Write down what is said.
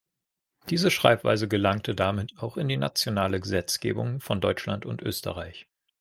Diese Schreibweise gelangte damit auch in die nationale Gesetzgebung von Deutschland und Österreich.